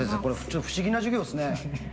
ちょっと不思議な授業ですね。